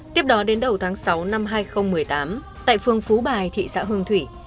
tiếp đó đến đầu tháng sáu năm hai nghìn một mươi tám tại phương phú bài thị xã hương thủy